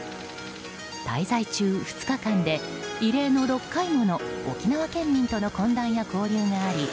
滞在中、２日間で異例の６回もの沖縄県民との懇談や交流があり